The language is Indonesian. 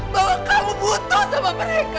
bahwa kamu butuh sama mereka